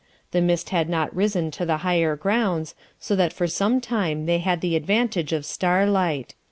The mist had not risen to the higher grounds, so that for some time they had the advantage of star light.